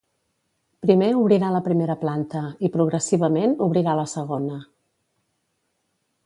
Primer obrirà la primera planta i progressivament obrirà la segona.